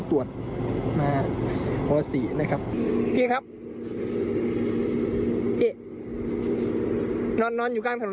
รถมาเยอะเลยหนึ่ง